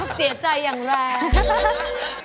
เสียใจอย่างแรง